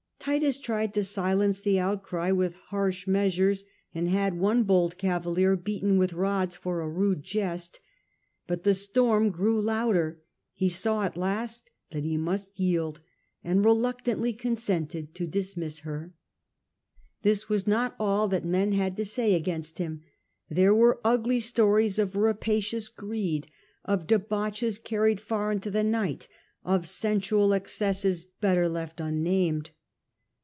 Titus tried to silence the outcry with harsh measures, and had one bold caviller beaten with rods for a rude jest. But the storm grew louder; he saw at last that he must yield, and reluctantly consented to S nister dismiss her. This was not all that men nimours had to say against him. There were ugly about him. stoi'ies of rapacious greed, of debauches carried far into the night, of sensual excesses better left unnamed.